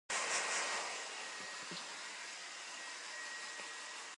講甲有跤有手